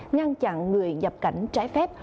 ngăn chặn người dập cảnh trái phép